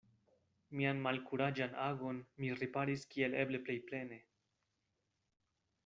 Mian malkuraĝan agon mi riparis kiel eble plej plene.